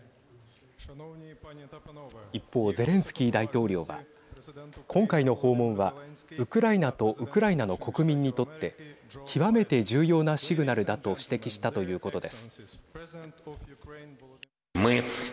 一方、ゼレンスキー大統領は今回の訪問はウクライナとウクライナの国民にとって極めて重要なシグナルだと指摘したということです。